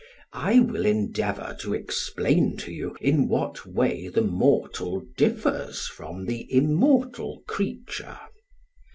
I will endeavour to explain to you in what way the mortal differs from the immortal creature.